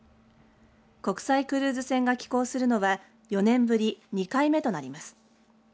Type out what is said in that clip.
国際クルーズ船が寄港するのは４年ぶり２回目となります。